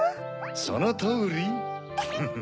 そのとウリ！フフ！